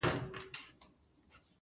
د ژوند څلورو دقيقو ته چي سجده وکړه”